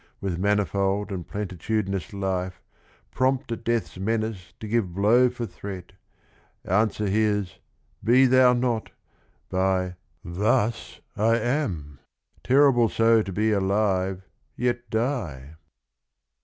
— With manifold and plenitudinous life, Prompt at death's menace to give blow for threat, Answer his 'Be thou not 1 ' by 'Thus I am !'— Terrible so to be alive yet die?